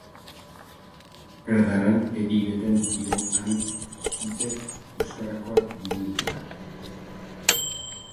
Erdaran edireten diren anitz hitzek euskarazkoak diruditela.